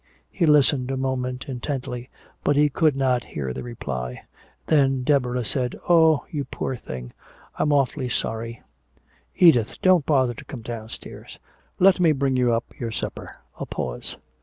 He listened a moment intently, but he could not hear the reply. Then Deborah said, "Oh, you poor thing. I'm awfully sorry. Edith don't bother to come downstairs let me bring you up your supper." A pause.